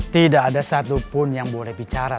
tidak ada satupun yang boleh bicara